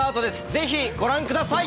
ぜひご覧ください。